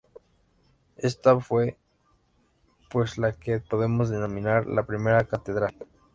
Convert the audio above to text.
Esta fue, pues, la que podemos denominar la primera catedral.